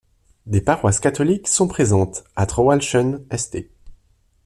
Des paroisses catholiques sont présentes à Traunwalchen, St.